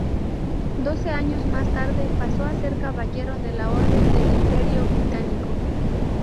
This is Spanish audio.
Doce años más tarde pasó a ser Caballero de la Orden del Imperio Británico.